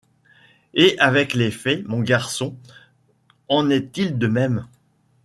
Et avec les faits, mon garçon, en est-il de même ?